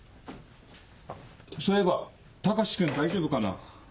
そういえば高志君大丈夫かな？